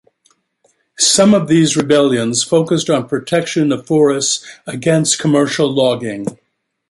Some of these rebellions focused on protection of forests against commercial logging.